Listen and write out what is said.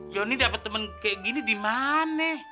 jonny dapet temen kayak gini dimane